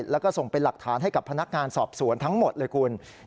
แล้วก็ส่งเป็นหลักฐานให้กับพนักงานสอบสวนทั้งหมดเลยคุณ